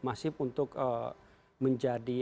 masif untuk menjadi